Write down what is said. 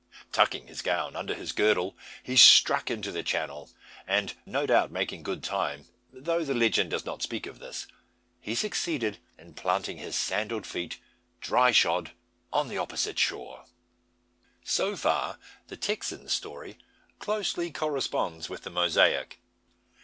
Tucking his gown under his girdle, he struck into the channel; and, no doubt, making good time though the legend does not speak of this he succeeded in planting his sandalled feet, dry shod, on the opposite shore! So far the Texan story closely corresponds with the Mosaic.